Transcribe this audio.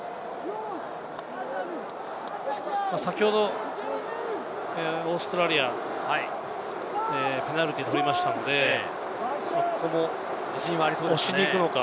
先ほどオーストラリア、ペナルティーを取りましたので、ここも押しに行くのか？